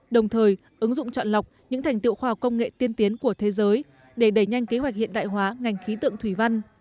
đồng thời ứng dụng chọn lọc những thành tiệu khoa học công nghệ tiên tiến của thế giới để đẩy nhanh kế hoạch hiện đại hóa ngành khí tượng thủy văn